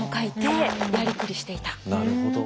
なるほど。